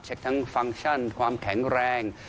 ทั้งฟังก์ชันความแข็งแรง